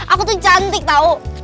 aku tuh cantik tau